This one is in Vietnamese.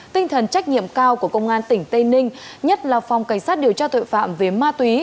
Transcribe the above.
tinh thần trách nhiệm cao của công an tỉnh tây ninh nhất là phòng cảnh sát điều tra tội phạm về ma túy